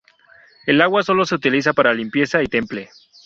El agua sólo se utilizaba para limpieza y temple.